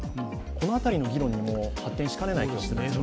この辺りの議論にも発展しかねないですね。